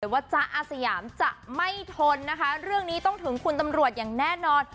ว่าจ๊ะอาสยามจะไม่ทนนะคะเรื่องนี้ต้องถึงคุณตำรวจอย่างแน่นอน